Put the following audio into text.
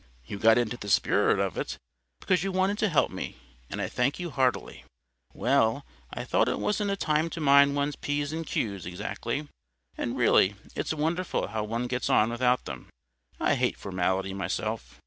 "You got into the spirit of it because you wanted to help me, and I thank you heartily." "Well, I thought it wasn't a time to mind one's peas and cues exactly. And really it's wonderful how one gets on without them. I hate formality myself."